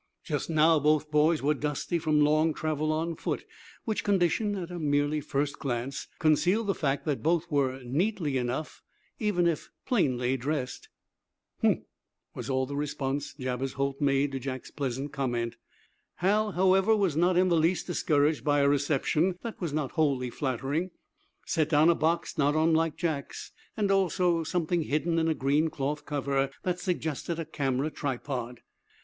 Just now, both boys were dusty from long travel on foot, which condition, at a merely first glance, concealed the fact that both were neatly enough, even if plainly, dressed. "Huh!" was all the response Jabez Holt made to Jack's pleasant comment. Hal, however, not in the least discouraged by a reception that was not wholly flattering, set down a box not unlike Jack's, and also something hidden in a green cloth cover that suggested a camera tripod.